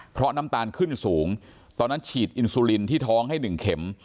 เพราะน้ำตาลขึ้นสูงตอนนั้นฉีดอินซูลินที่ท้องให้๑เข็ม